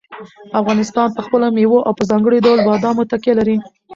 افغانستان په خپلو مېوو او په ځانګړي ډول بادامو تکیه لري.